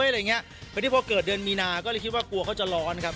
วันนี้พอดีพอเกิดเดือนมีนาก็เลยคิดว่ากลัวเขาจะร้อนครับ